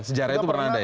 sejarah itu pernah ada ya